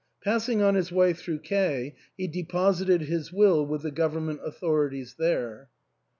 Passing on his way through K , he deposited his will with the government authorities there.